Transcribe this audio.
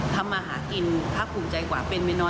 ทำมาหากินภาคภูมิใจกว่าเป็นไม่น้อย